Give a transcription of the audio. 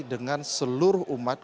dengan seluruh umat